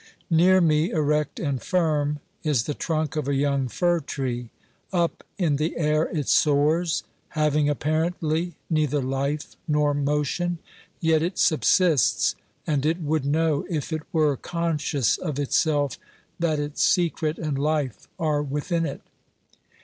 Near me, erect and firm, is the trunk of a young far tree ; up in the air it soars, having apparently neither life nor motion ; yet it subsists, and it would know if it were con scious of itself that its secret and life are within it.